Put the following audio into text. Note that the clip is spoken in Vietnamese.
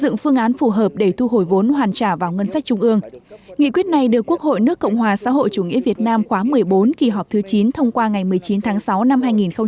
nghị quyết này được quốc hội nước cộng hòa xã hội chủ nghĩa việt nam khóa một mươi bốn kỳ họp thứ chín thông qua ngày một mươi chín tháng sáu năm hai nghìn hai mươi